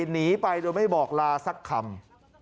หนีไปโดยไม่บอกลาสักคำ